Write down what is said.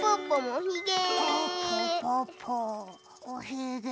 おひげ！